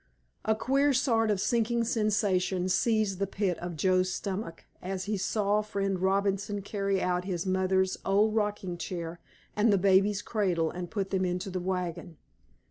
A queer sort of a sinking sensation seized the pit of Joe's stomach as he saw Friend Robinson carry out his mother's old rocking chair and the baby's cradle and put them into the wagon.